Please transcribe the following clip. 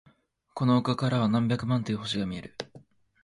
この丘からは何百万という星が見える。